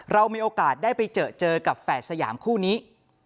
เรามีโอกาสได้ไปเจอเจอกับแฝดสยามคู่นี้